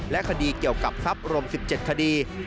คดีเกี่ยวกับทรัพย์รวม๑๗คดี